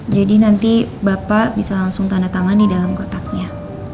jadi nanti bapak bisa langsung tanda taman di dalam kotaknya